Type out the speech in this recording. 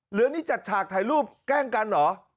หรือนี่จัดฉากถ่ายรูปแกล้งกันเหรอ